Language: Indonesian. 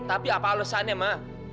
tapi apa alesannya ma